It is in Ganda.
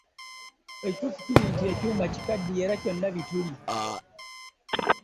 Ekituufu kiri nti kati ekyuma kikaddiye era kyonna bituli